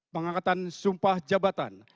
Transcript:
pengangkatan sumpah jabatan